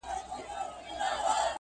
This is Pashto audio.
یوه قلا ده ورته یادي افسانې دي ډیري؛